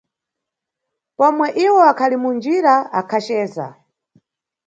Pomwe iwo akhali munjira, akhaceza.